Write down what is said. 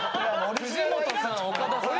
藤本さん岡田さん。